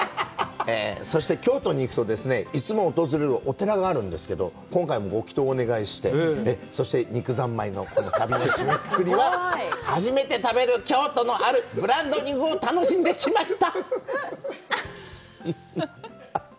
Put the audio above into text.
そして京都に行くと、いつも訪れるお寺があるんですけど、今回もご祈祷をお願いして、そして、肉三昧の締めくくりは、初めて食べる京都の、あるブランド肉を楽しんできました。